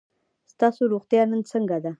ستاسو روغتیا نن څنګه ده؟